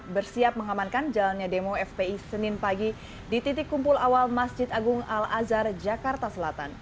bersiap mengamankan jalannya demo fpi senin pagi di titik kumpul awal masjid agung al azhar jakarta selatan